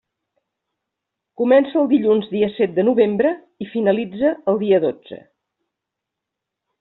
Comença el dilluns dia set de novembre i finalitza el dia dotze.